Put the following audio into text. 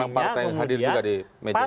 iya iya artinya kemudian